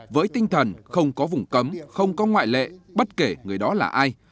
với tinh thần không có vùng cấm không có ngoại lệ bất kể người đó là ai